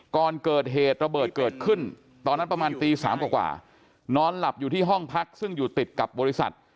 ก่อนเกิดเหตุระเบิดเกิดขึ้นตอนนั้นประมาณตี๓กว่านอนหลับอยู่ที่ห้องพักซึ่งอยู่ติดกับบริษัท